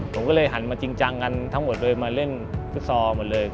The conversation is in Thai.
ผมก็เลยหันมาจริงจังกันทั้งหมดเลยมาเล่นฟุตซอลหมดเลย